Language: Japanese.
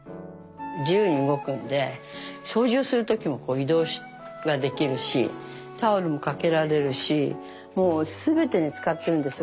自由に動くんで掃除をする時も移動ができるしタオルも掛けられるしもうすべてに使ってるんですよ。